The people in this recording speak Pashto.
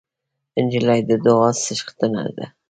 نجلۍ د دعاوو څښتنه ده.